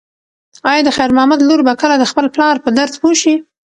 ایا د خیر محمد لور به کله د خپل پلار په درد پوه شي؟